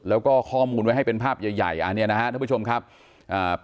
แล้วก็ข้อมูลไว้ให้เป็นภาพใหญ่ใหญ่อันเนี้ยนะฮะท่านผู้ชมครับอ่า